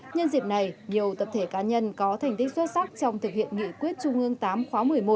nhân dịp này nhiều tập thể cá nhân có thành tích xuất sắc trong thực hiện nghị quyết trung ương tám khóa một mươi một